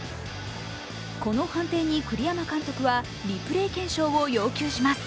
この判定に栗山監督はリプレー検証を要求します。